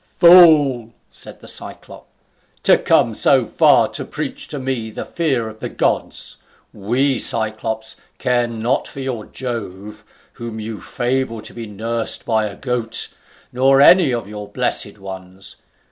"Fool!" said the Cyclop, "to come so far to preach to me the fear of the gods. We Cyclops care not for your Jove, whom you fable to be nursed by a goat, nor any of your blessed ones.